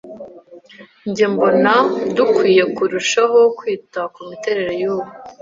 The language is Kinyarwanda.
Njye mbona, dukwiye kurushaho kwita kumiterere yubu.